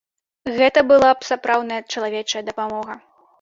Гэта была б сапраўдная чалавечая дапамога.